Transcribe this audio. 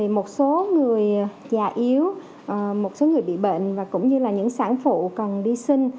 một số người già yếu một số người bị bệnh và cũng như là những sản phụ cần đi sinh